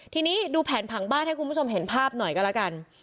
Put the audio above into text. ทีนี้ดูแผนผังบ้านให้คุณผู้ชมเห็นภาพหน่อยก็แล้วกัน